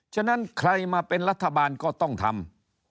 ฉะนั้นใครมาเป็นรัฐบาลก็ต้องทำ